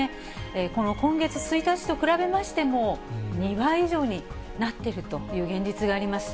この今月１日と比べましても、２倍以上になっているという現実があります。